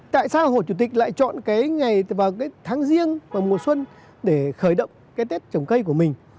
tại sao hồ chủ tịch lại chọn cái ngày vào cái tháng riêng vào mùa xuân để khởi động cái tết trồng cây của mình